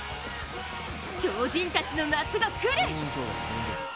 超人たちの夏が来る！